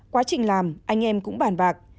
quá trình làm anh em cũng bàn bạc